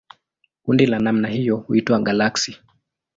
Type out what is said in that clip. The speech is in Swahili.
Kundi la namna hiyo huitwa galaksi.